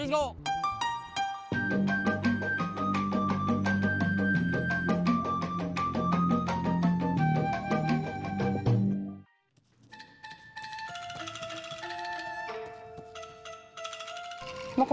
tidak ada urusan sebentar